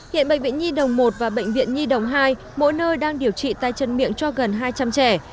hiện bệnh viện nhi đồng một và bệnh viện nhi đồng hai mỗi nơi đang điều trị tay chân miệng cho gần hai trăm linh trẻ